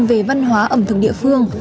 về văn hóa ẩm thực địa phương